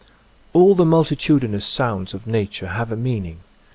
All the multitudinous sounds of nature have a meaning.